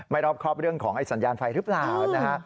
ไม่รอบครอบเรื่องของไอ้สัญญาณไฟรึเปล่าอืมนะฮะ